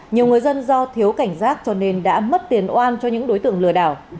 nhiều người dân do thiếu cảnh giác cho nên đã mất tiền oan cho những đối tượng lừa đảo